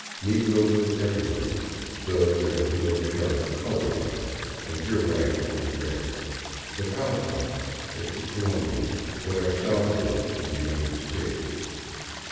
Negroes were everywhere, though there was no sharp " color line," and pure whites were rare. The Cauca is to Colombia what our South is to the United States.